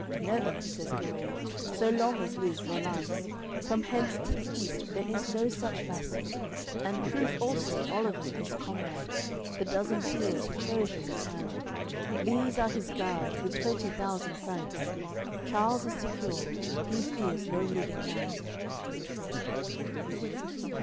"Never," says Guene, "so long as lives Rollanz, From hence to the East there is no such vassal; And proof also, Oliver his comrade; The dozen peers he cherishes at hand, These are his guard, with twenty thousand Franks. Charles is secure, he fears no living man."